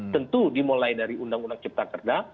tentu dimulai dari undang undang cipta kerja